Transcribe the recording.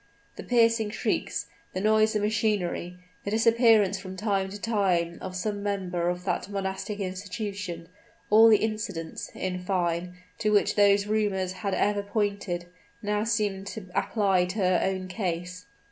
The piercing shrieks the noise of machinery the disappearance from time to time of some member of that monastic institution, all the incidents, in fine, to which those rumors had ever pointed, now seemed to apply to her own case.